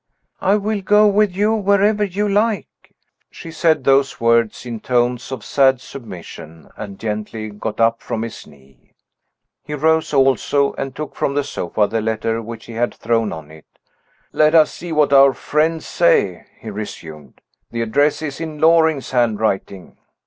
"I will go with you wherever you like." She said those words in tones of sad submission, and gently got up from his knee. He rose also, and took from the sofa the letter which he had thrown on it. "Let us see what our friends say," he resumed. "The address is in Loring's handwriting."